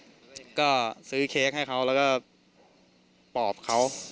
เซเว่นครับก็ซื้อเค้กให้เขาแล้วก็ปอบเขา